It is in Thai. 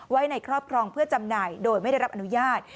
ไว้ในครอบครองเพื่อจำหน่ายโดยไม่ได้รับอนุญาต